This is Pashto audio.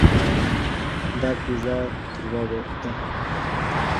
دا پیزا تروه ده.